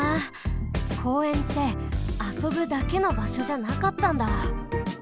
公園ってあそぶだけのばしょじゃなかったんだ。